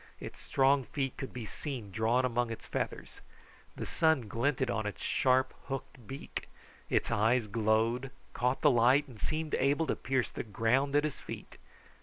Its strong feet could be seen drawn among its feathers. The sun glinted on its sharp, hooked beak. Its eyes glowed, caught the light, and seemed able to pierce the ground at his feet.